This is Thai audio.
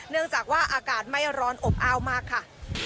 เนื่องจากว่าอากาศไม่ร้อนอบอ้าวมากค่ะ